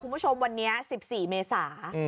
คุณผู้ชมวันนี้๑๔เมษา